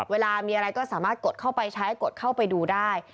เวลามีอะไรก็สามารถกดเข้าไปใช้กดเข้าไปดูได้